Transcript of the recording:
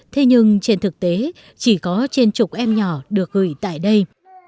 thế nhưng trên thực tế chỉ có trên chục em nhỏ được gửi tại đây